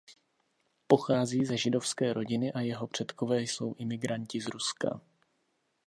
Pochází ze židovské rodiny a jeho předkové jsou imigranti z Ruska.